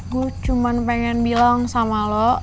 gue cuma pengen bilang sama lo